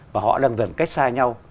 và họ đang dần cách xa nhau